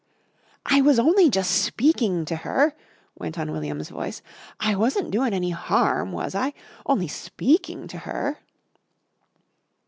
"I was only jus' speaking to her," went on William's voice. "I wasn't doin' any harm, was I? Only speaking to her!"